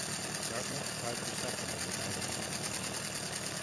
Dartmouth tied for second in the Ivy League.